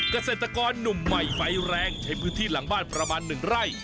เกษตรกรหนุ่มใหม่ไฟแรงใช้พื้นที่หลังบ้านประมาณ๑ไร่